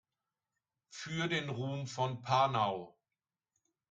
Für den Ruhm von Panau!